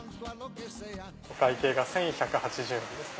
お会計が１１８０円ですね。